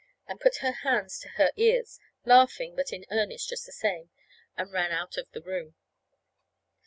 and put her hands to her ears, laughing, but in earnest just the same, and ran out of the room.